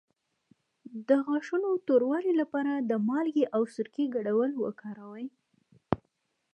د غاښونو د توروالي لپاره د مالګې او سرکې ګډول وکاروئ